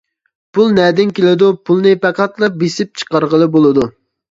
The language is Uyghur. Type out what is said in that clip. پۇل نەدىن كېلىدۇ؟ پۇلنى پەقەتلا بېسىپ چىقارغىلى بولىدۇ.